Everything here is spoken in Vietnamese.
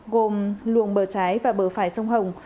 gồm luồng bờ trái và bờ phải sông hồng